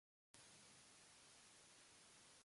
両津勘吉